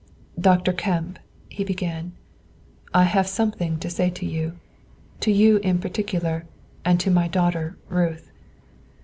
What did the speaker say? "Dr. Kemp," he began, "I have something to say to you, to you in particular, and to my daughter Ruth.